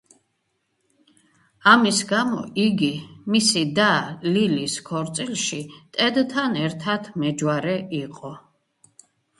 ამის გამო იგი მისი და ლილის ქორწილში ტედთან ერთად მეჯვარე იყო.